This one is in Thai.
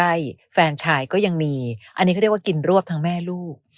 หัวใจของชายก็ยังมีอันนี้ก็เรียกว่ากินรวบทั้งแม่ลูก